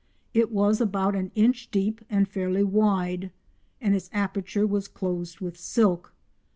It was about an inch deep and fairly wide, and its aperture was closed with silk.